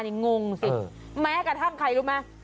นี่งงสิแม้กระทั่งใครรู้ไหม